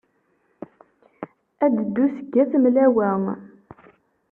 Ad d-teddu seg wat Mlawa.